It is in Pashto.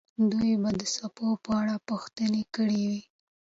دوی به د څپو په اړه پوښتنه کړې وي.